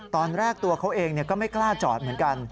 ตอนแรกตัวเขาเองก็ไม่กล้าจอดเหมือนกัน